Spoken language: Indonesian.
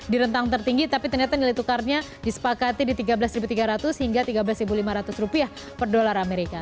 di rentang tertinggi tapi ternyata nilai tukarnya disepakati di tiga belas tiga ratus hingga tiga belas lima ratus rupiah per dolar amerika